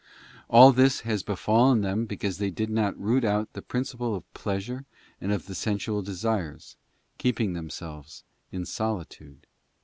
All this has befallen them because they did not root out the principle of pleasure and of the sensual desires, keeping themselves in solitude for God.